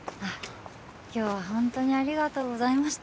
今日はホントにありがとうございました